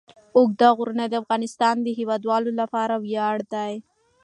اوږده غرونه د افغانستان د هیوادوالو لپاره ویاړ دی.